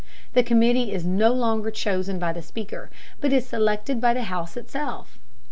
The committee is no longer chosen by the Speaker, but is selected by the House itself.